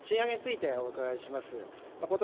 賃上げについてお伺いします。